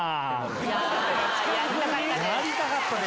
やりたかったです。